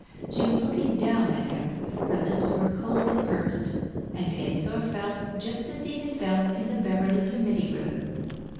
She was looking down at him, her lips were coldly pursed, and Ensor felt just as he had felt in the Beverley Committee room.